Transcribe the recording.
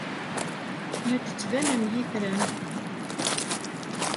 La d-ttbanen yitran.